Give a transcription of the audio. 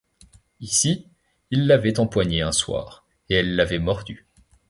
Ici, il l’avait empoignée un soir, et elle l’avait mordu.